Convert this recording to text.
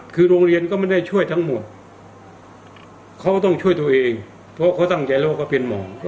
คือโรงเรียนก็ไม่ได้ช่วยทั้งหมดเขาก็ต้องช่วยตัวเองเพราะเขาตั้งใจแล้วว่าเขาเป็นหมอ